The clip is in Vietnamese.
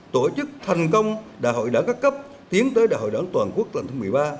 tổ chức thành công đại hội đảng các cấp tiến tới đại hội đảng toàn quốc lần thứ một mươi ba